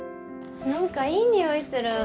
何かいい匂いする。